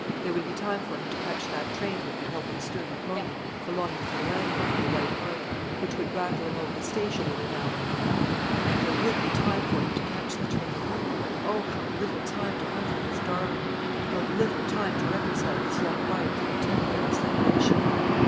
There would be time for him to catch that train with the help of a sturdy pony belonging to the landlord of the White Hart, which would rattle him over to the station in an hour and a half. There would be time for him to catch the train; but, oh! how little time to comfort his darling how little time to reconcile his young wife to the temporary separation!